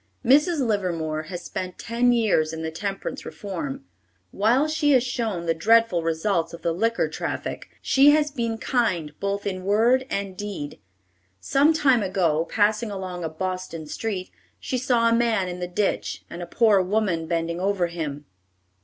Mrs. Livermore has spent ten years in the temperance reform. While she has shown the dreadful results of the liquor traffic, she has been kind both in word and deed. Some time ago, passing along a Boston street, she saw a man in the ditch, and a poor woman bending over him.